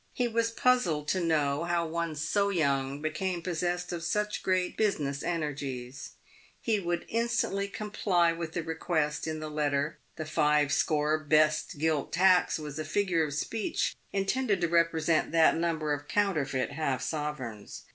He was puzzled to know how one so young became possessed of such great business energies. He would instantly comply with the request in the letter. The five score " best gilt tacks" was a figure of speech intended to represent that number of counterfeit half sovereigns.